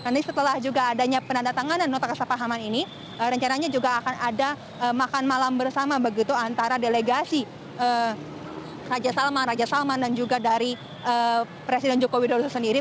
nanti setelah juga adanya penandatanganan nota kesepahaman ini rencananya juga akan ada makan malam bersama begitu antara delegasi raja salman raja salman dan juga dari presiden joko widodo sendiri